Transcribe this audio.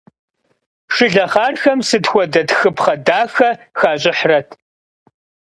Шылэхъархэм сыт хуэдэ тхыпхъэ дахэ хащӏыхьрэт.